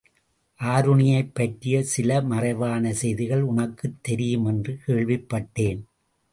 ஆருணியைப் பற்றிய சில மறைவான செய்திகள் உனக்குத் தெரியும் என்று கேள்விப் பட்டேன்!